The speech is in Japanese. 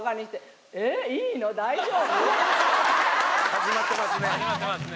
始まってますね。